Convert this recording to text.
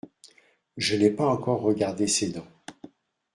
Je n’ai pas encore regardé ses dents…